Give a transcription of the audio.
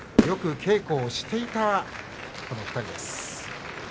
よく稽古をしていた２人です。